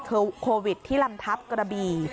คือโควิดที่ลำทับกระบี